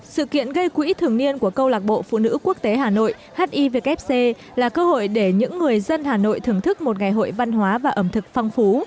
sự kiện gây quỹ thường niên của câu lạc bộ phụ nữ quốc tế hà nội hivkc là cơ hội để những người dân hà nội thưởng thức một ngày hội văn hóa và ẩm thực phong phú